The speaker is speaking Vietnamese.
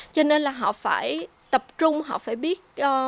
cho nên là họ phải tập trung họ phải biết